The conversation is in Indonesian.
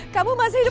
kamu masih hidup